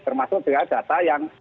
termasuk dengan data yang